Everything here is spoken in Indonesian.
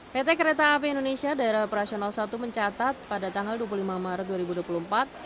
pt kereta api indonesia daerah operasional satu mencatat pada tanggal dua puluh lima maret dua ribu dua puluh empat